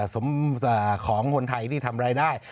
ของคนไทยที่ทำรายได้